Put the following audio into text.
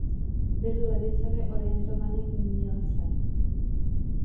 Byl levicově orientovaným umělcem.